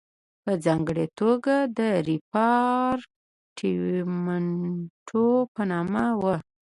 په ځانګړې توګه د ریپارټیمنټو په نامه وو.